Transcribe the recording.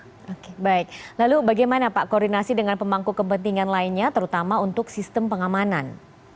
oke baik lalu bagaimana pak koordinasi dengan pemangku kepentingan lainnya terutama untuk sistem pengamanan